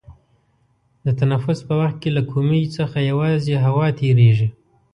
د تنفس په وخت کې له کومي څخه یوازې هوا تیرېږي.